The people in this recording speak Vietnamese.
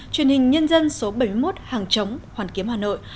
truyền hình nhân dân số bảy mươi một hàng chống hoàn kiếm hà nội